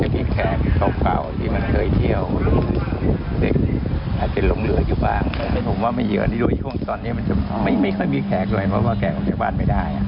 ผมก็อย่างเพราะว่าแก่ให้ออกมาจากบ้านไม่ได้นะครับ